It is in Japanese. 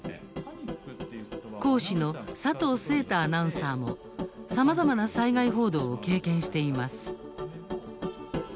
講師の佐藤誠太アナウンサーもさまざまな災害報道を経験しています。